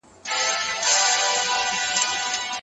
دفاعي احساس کله ناکله یرغل ګرځي